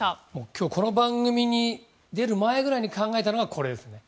今日この番組に出る前ぐらいに考えたのはこれですね。